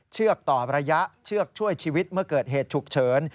เชือกต่อระยะเชือกช่วยชีวิตเมื่อเกิดเหตุฉุกเฉิน